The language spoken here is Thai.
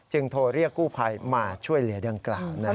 จึงโทรเรียกกู้ภัยมาช่วยเหลือดังกล่าวนะครับ